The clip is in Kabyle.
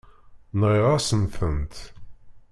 Nɣiɣ-asent-tent.